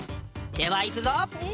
ではいくぞ！